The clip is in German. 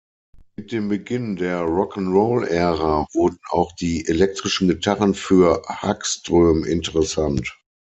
Mit dem Beginn der Rock-'n'-Roll-Ära wurden auch die elektrischen Gitarren für Hagström interessant.